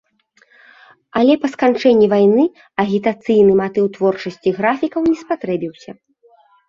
Але па сканчэнні вайны агітацыйны матыў творчасці графікаў не спатрэбіўся.